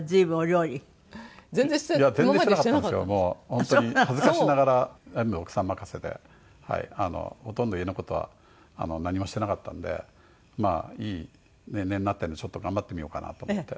本当に恥ずかしながら全部奥さん任せでほとんど家の事は何もしていなかったんでいい年齢になってちょっと頑張ってみようかなと思って。